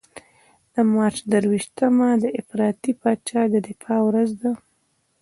د مارچ درویشتمه د افراطي پاچا د دفاع ورځ ده.